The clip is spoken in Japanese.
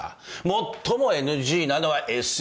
最もＮＧなのはＳＮＳだ。